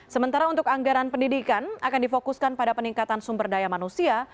sementara untuk anggaran pendidikan akan difokuskan pada peningkatan sumber daya manusia